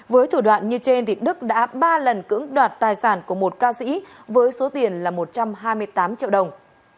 với thủ đoạn như trên đức đã ba lần cưỡng đoạt tài sản của một ca sĩ với số tiền là một trăm hai mươi tám triệu đồng